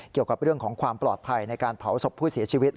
เกี่ยวกับเรื่องของความปลอดภัยในการเผาศพผู้เสียชีวิต